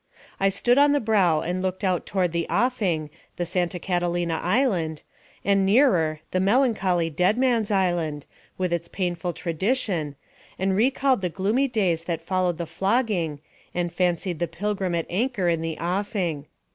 I stood on the brow and looked out toward the offing, the Santa Catalina Island, and, nearer, the melancholy Dead Man's Island, with its painful tradition, and recalled the gloomy days that followed the flogging, and fancied the Pilgrim at anchor in the offing.